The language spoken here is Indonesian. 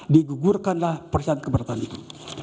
digugurkanlah percayaan keberatan itu